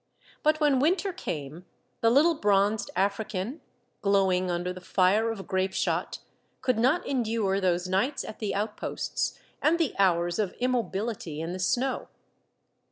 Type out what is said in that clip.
But when winter came, the little bronzed African, glowing under the fire of grapeshot, could not endure those nights at the outposts, and the hours of immobility in the snow.